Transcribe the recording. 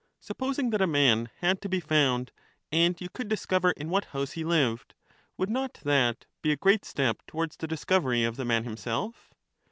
Supposing that a man had to be found, and you could discover in what house he lived, would not that be a great step towards the discovery of the man himself?